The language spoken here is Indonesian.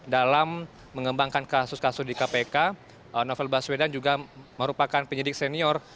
dalam mengembangkan kasus kasus di kpk novel baswedan juga merupakan penyidik senior